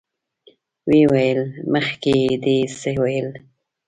ويې ويل: مخکې دې څه ويل؟